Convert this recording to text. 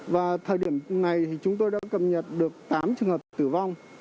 và thời điểm này chúng tôi đã cập nhật được tám trường hợp tử vong